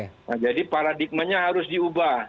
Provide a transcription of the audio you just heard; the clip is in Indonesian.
nah jadi paradigmanya harus diubah